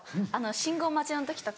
信号待ちの時とか。